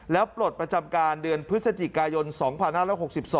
แล้วปลดประจำการเดือนพฤศจิกายน๒๕๖๒